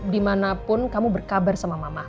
dimanapun kamu berkabar sama mama